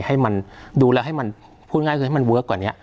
ให้มันดูแล้วให้มันพูดง่ายคือให้มันเวิร์คกว่านี้